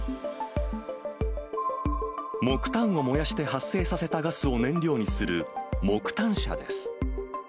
木炭を燃やして発生させたガスを燃料にする、木炭車です。